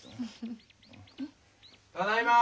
・ただいま！